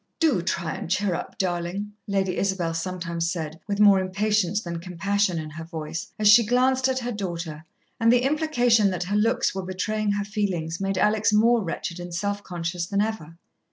"Do try and cheer up, darlin'," Lady Isabel sometimes said, with more impatience than compassion in her voice, as she glanced at her daughter; and the implication that her looks were betraying her feelings made Alex more wretched and self conscious than ever.